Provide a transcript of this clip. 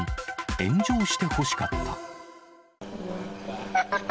炎上してほしかった。